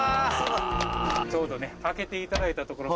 ちょうどね開けていただいたところ。